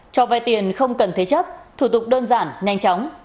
cho vai tiền không cần thế chấp thủ tục đơn giản nhanh chóng